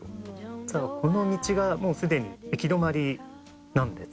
「実はこの道がもうすでに行き止まりなんです」